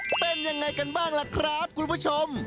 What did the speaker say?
เป็นยังไงกันบ้างล่ะครับคุณผู้ชม